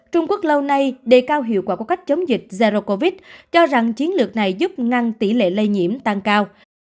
trung quốc lâu nay đề cao hiệu quả của cách chống dịch zarocovit cho rằng chiến lược này giúp ngăn tỷ lệ lây nhiễm tăng cao